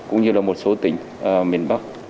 cũng như là một số tỉnh miền bắc